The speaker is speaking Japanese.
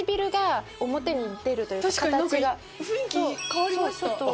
雰囲気変わりました。